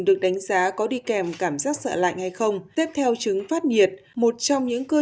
được đánh giá có đi kèm cảm giác sợ lạnh hay không tiếp theo chứng phát nhiệt một trong những cơ